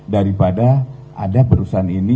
daripada ada perusahaan ini